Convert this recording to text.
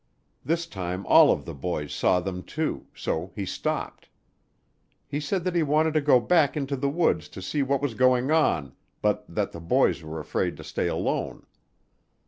This time all of the boys saw them too, so he stopped. He said that he wanted to go back into the woods to see what was going on, but that the boys were afraid to stay alone.